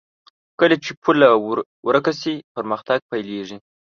کله چې پوله ورکه شي، پرمختګ پيلېږي.